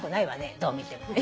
どう見ても。